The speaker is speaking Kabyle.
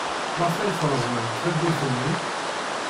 Maɣef ay treẓmemt tawwurt-nni?